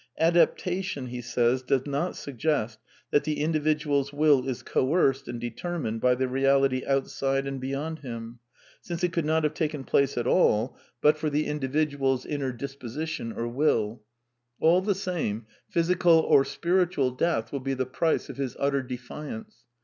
Adaptation, he says, does not suggest that the individual's will is coerced and determined by the reality outside and beyond him, since it could not have taken place at all but for the indi CONCLUSIONS 333 viduars inner disposition or wilL All the same, physical or spiritual death will be the price of his utter defiance.